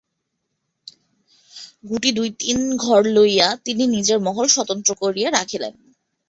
গুটি দুই-তিন ঘর লইয়া তিনি নিজের মহল স্বতন্ত্র করিয়া রাখিলেন।